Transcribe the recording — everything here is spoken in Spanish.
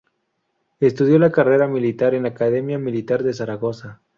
Estudió la carrera militar en la Academia Militar de Zaragoza.